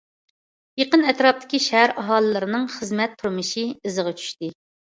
يېقىن ئەتراپتىكى شەھەر ئاھالىلىرىنىڭ خىزمەت، تۇرمۇشى ئىزىغا چۈشتى.